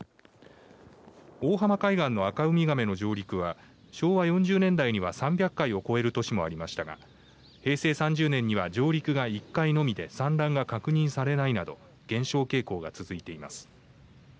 大浜海岸のアカウミガメの上陸は昭和４０年代には３００回を超える年もありましたが平成３０年には上陸が１回のみで産卵が確認されないなど減少傾向が続いています。